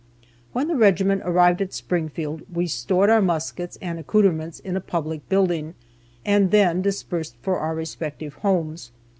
When the regiment arrived at Springfield we stored our muskets and accouterments in a public building, and then dispersed for our respective homes.